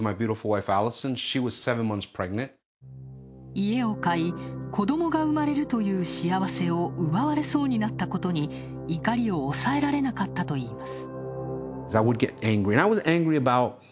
家を買い、子どもが生まれるという幸せを奪われそうになったことに怒りを抑えられなかったといいます。